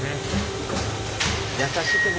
優しくね。